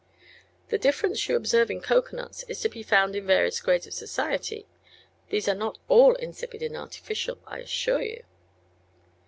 "The difference you observe in cocoanuts is to be found in the various grades of society. These are not all insipid and artificial, I assure you."